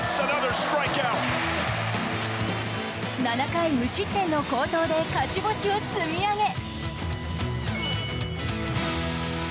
７回無失点の好投で勝ち星を積み上げ。